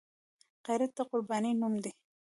غیرت د قربانۍ نوم دی